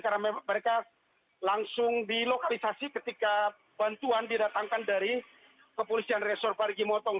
karena mereka langsung dilokalisasi ketika bantuan didatangkan dari kepolisian resor parigi mutong